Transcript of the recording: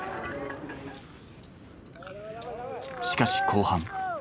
しかし後半。